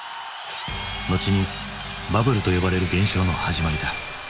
後にバブルと呼ばれる現象の始まりだ。